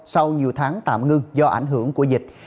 sau nhiều tháng tạm ngưng do ảnh hưởng của dịch